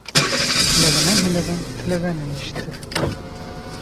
Теләгәнен һөйләгән теләгәнен ишетер.